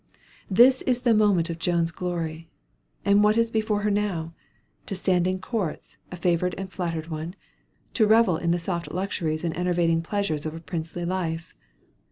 This is the moment of Joan's glory, and what is before her now? To stand in courts, a favored and flattered one? to revel in the soft luxuries and enervating pleasures of a princely life?